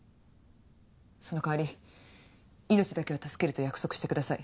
そのかわり命だけは助けると約束してください。